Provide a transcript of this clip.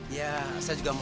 ya saya juga mau aja